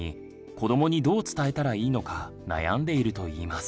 子どもにどう伝えたらいいのか悩んでいるといいます。